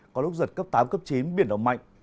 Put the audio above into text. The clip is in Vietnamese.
có lúc giật cấp tám cấp chín biển động mạnh